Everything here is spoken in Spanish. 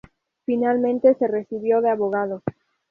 Finalmente, se recibió de Abogado.